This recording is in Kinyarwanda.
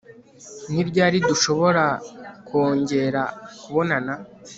Ni ryari dushobora kongera kubonana